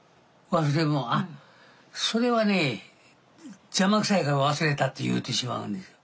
あっそれはね邪魔くさいから忘れたって言うてしまうんですよ。